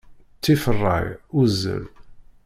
Ttif ṛṛay, uzzal.